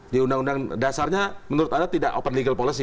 di undang undang dasarnya menurut anda tidak open legal policy